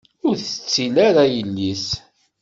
Ur tettil ara yelli-s.